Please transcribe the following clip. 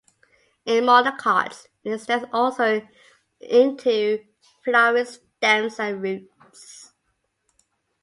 In monocots, it extends also into flowering stems and roots.